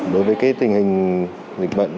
đối với tình hình dịch bệnh